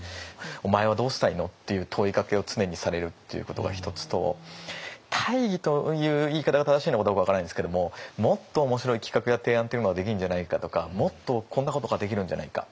「お前はどうしたいの？」っていう問いかけを常にされるっていうことが一つと大義という言い方が正しいのかどうか分からないんですけどももっと面白い企画や提案っていうのができるんじゃないかとかもっとこんなことができるんじゃないか。